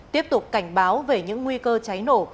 tiếp tục cảnh báo về những nguy cơ cháy nổ